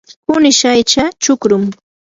kunish aycha chukrum.